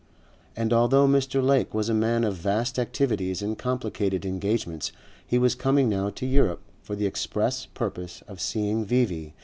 And although Mr. Lake was a man of vast activities and complicated engagements he was coming now to Europe for the express purpose of seeing V.V.